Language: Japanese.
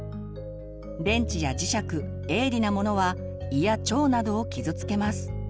電池や磁石鋭利なものは胃や腸などを傷つけます。